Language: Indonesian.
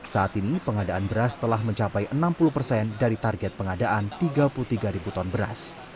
saat ini pengadaan beras telah mencapai enam puluh persen dari target pengadaan tiga puluh tiga ribu ton beras